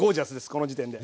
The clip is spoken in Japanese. この時点で。